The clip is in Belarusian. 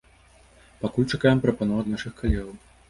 Пакуль чакаем прапаноў ад нашых калегаў.